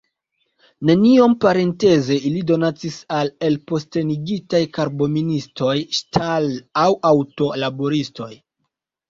Neniom, parenteze, ili donacis al elpostenigitaj karboministoj, ŝtal- aŭ aŭto-laboristoj.